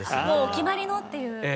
もうお決まりのっていう。